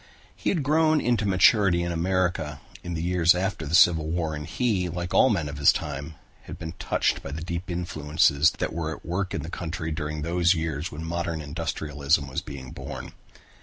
He had grown into maturity in America in the years after the Civil War and he, like all men of his time, had been touched by the deep influences that were at work in the country during those years when modern industrialism was being born.